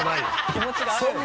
気持ちがあるんで。